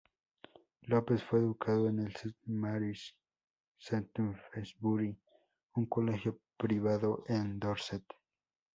Lopes fue educada en St Mary's Shaftesbury, un colegio privado en Dorset.